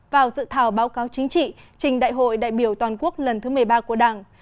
vào dự thảo báo cáo chính trị trình đại hội đại biểu toàn quốc lần thứ một mươi ba của đảng